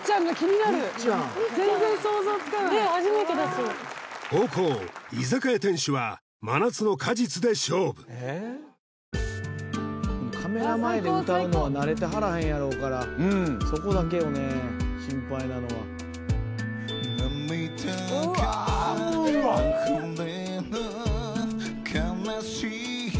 初めてだし後攻居酒屋店主は「真夏の果実」で勝負カメラ前で歌うのは慣れてはらへんやろうからそこだけよね心配なのは似てる半端ないね